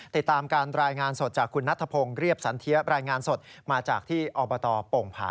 ติดตามการรายงานสดจากคุณนัทพงศ์เรียบสันเทียบรายงานสดมาจากที่อบตโป่งผา